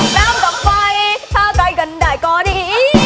น้ำดับไฟถ้าใกล้กันได้ก็ดี